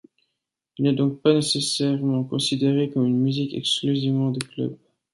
Il n'est donc pas nécessairement considéré comme une musique exclusivement de club.